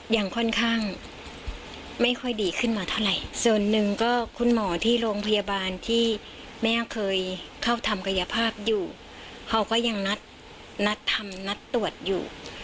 ยังค่อนข้างไม่ค่อยดีขึ้นมาเท่าไหร่ส่วนหนึ่งก็คุณหมอที่โรงพยาบาลที่แม่เคยเข้าทำกายภาพอยู่เขาก็ยังนัดทำนัดตรวจอยู่